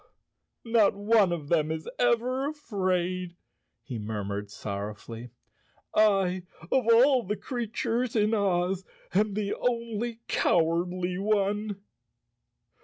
"Not one of them is ever afraid," he murmured sorrowfully. "I, of all creatures in Oz, am the only cowardly one."